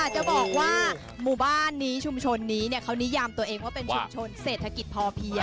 จะบอกว่าหมู่บ้านนี้ชุมชนนี้เขานิยามตัวเองว่าเป็นชุมชนเศรษฐกิจพอเพียง